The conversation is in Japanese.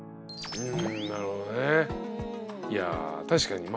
うん。